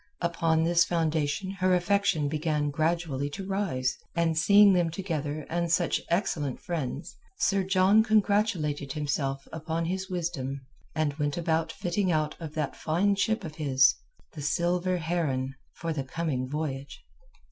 Upon this foundation her affection began gradually to rise, and seeing them together and such excellent friends, Sir John congratulated himself upon his wisdom and went about the fitting out of that fine ship of his—the Silver Heron—for the coming voyage.